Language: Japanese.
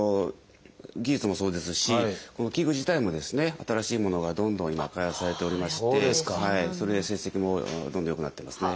技術もそうですしこの器具自体もですね新しいものがどんどん今開発されておりましてそれで成績もどんどん良くなってますね。